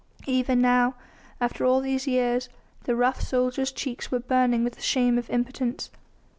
Even now, after all these years, the rough soldier's cheeks were burning with the shame of impotence.